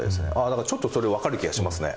だからちょっとそれわかる気がしますね。